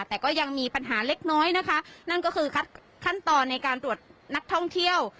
แต่ก็ยังมีปัญหาเล็กน้อยนะคะนั่นก็คือขั้นตอนในการตรวจนักท่องเที่ยว